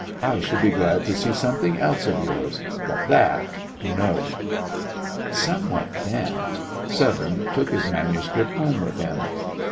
I should be glad to see something else of yours but that, no!" Somewhat damped, Severne took his manuscript home with him.